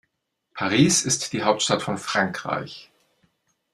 Paris ist die Hauptstadt von Frankreich.